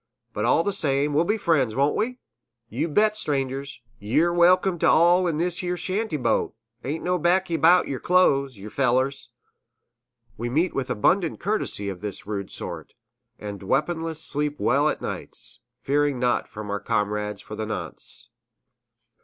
But all same, we'll be friends, won't we? Yew bet strangers! Ye're welcome t' all in this yere shanty boat ain't no bakky 'bout yer close, yew fellers?" We meet with abundant courtesy of this rude sort, and weaponless sleep well o' nights, fearing naught from our comrades for the nonce.